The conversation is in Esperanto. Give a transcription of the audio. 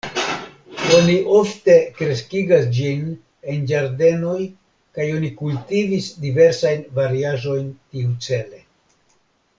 Oni ofte kreskigas ĝin en ĝardenoj kaj oni kultivis diversajn variaĵojn tiucele.